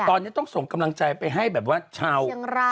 ตอนนี้ต้องส่งกำลังใจไปให้แบบว่าท่าว